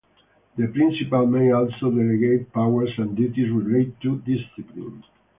The principal may also delegate powers and duties related to discipline.